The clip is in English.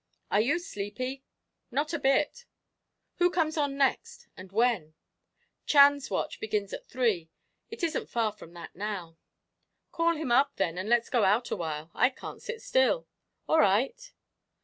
"Are you sleepy?" "Not a bit." "Who comes on next, and when?" "Chan's watch begins at three it isn't far from that now." "Call him up, then, and let's go out awhile. I can't sit still." "All right."